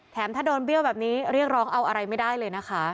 ถ้าโดนเบี้ยวแบบนี้เรียกร้องเอาอะไรไม่ได้เลยนะคะ